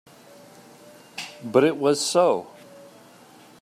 But it was so.